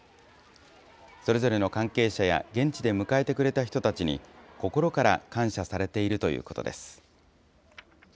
それぞれの関係者や、現地で迎えてくれた人たちに、心から感謝されているということです。